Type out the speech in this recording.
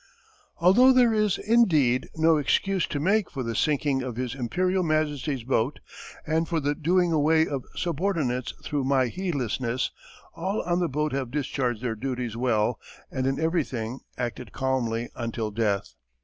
_] Although there is, indeed, no excuse to make for the sinking of his Imperial Majesty's boat and for the doing away of subordinates through my heedlessness, all on the boat have discharged their duties well and in everything acted calmly until death.